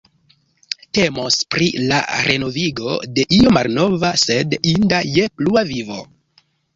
Temos pri la renovigo de io malnova, sed inda je plua vivo.